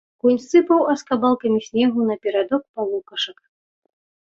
Конь сыпаў аскабалкамі снегу на перадок палукашак.